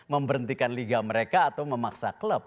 memberhentikan liga mereka atau memaksa klub